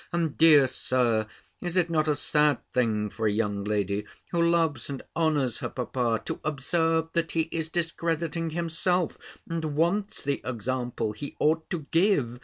And, dear Sir, is it not a sad thing for a young lady, who loves and honours her papa, to observe, that he is discrediting himself, and wants the example he ought to _give?